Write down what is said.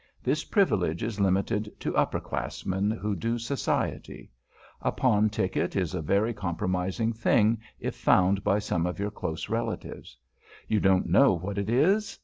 This privilege is limited to upper classmen who do Society. A pawn ticket is a very compromising thing if found by some of your close relatives. You don't know what it is?